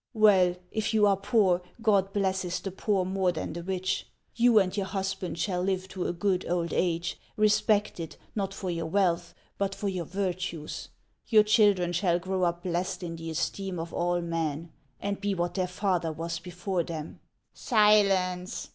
" "Well, if you are poor, God blesses the poor more than the rich. You and your husband shall live to a good old age, respected, not for your wealth, but for your virtues ; your children shall .grow up blessed in the esteem of all men, and be what their father was before them." " Silence